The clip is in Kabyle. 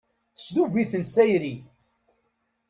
Tesdub-itent tayri.